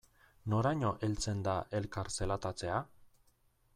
Noraino heltzen da elkar zelatatzea?